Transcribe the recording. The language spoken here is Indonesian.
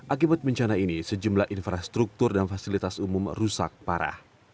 akibat bencana ini sejumlah infrastruktur dan fasilitas umum rusak parah